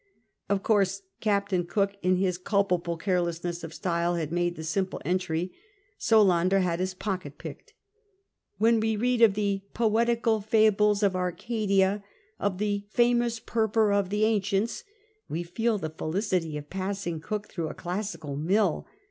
Of course Captain Cook, in his culpable carelessness of style, had made the simple entry, Solander had his pocket picked." When we read of the "poetical fables of Arcadia," of the "fainous Purpura of the Ancients," we feel the felicity of passing Cook through a classical mill.